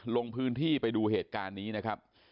ลงพื้นที่ไปดูเหตุการณ์นี้นะครับ